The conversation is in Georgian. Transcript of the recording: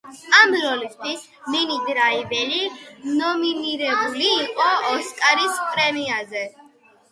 ამ როლისთვის მინი დრაივერი ნომინირებული იყო ოსკარის პრემიაზე.